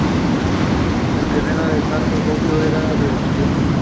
El terreno de Castro Rubio era reducido.